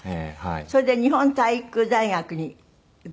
それで日本体育大学にご進学？